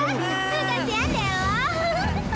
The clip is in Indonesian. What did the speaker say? tuh gaji anda loh